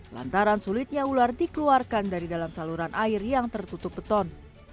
lantaran sulitnya ular dikeluarkan dari dalam saluran air yang tertutup beton